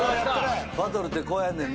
バトルってこうやんねんな。